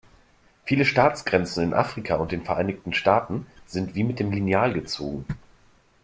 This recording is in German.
Viele Staatsgrenzen in Afrika und den Vereinigten Staaten sind wie mit dem Lineal gezogen.